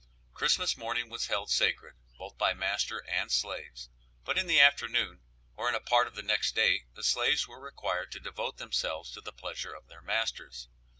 Christmas morning was held sacred both by master and slaves, but in the afternoon, or in a part of the next day the slaves were required to devote themselves to the pleasure of their masters.